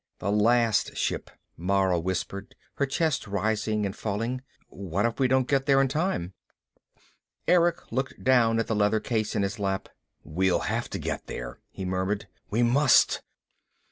"The last ship," Mara whispered, her chest rising and falling. "What if we don't get there in time?" Erick looked down at the leather case in his lap. "We'll have to get there," he murmured. "We must!"